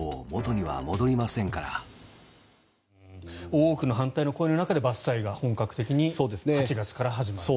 多くの反対の声の中で伐採が本格的に８月から始まると。